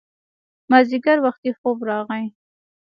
مازیګر وختي خوب راغی